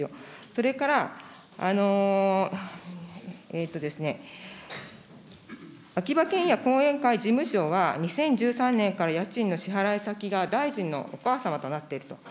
それから秋葉賢也後援会事務所は、２０１３年から家賃の支払先が大臣のお母様となっていると。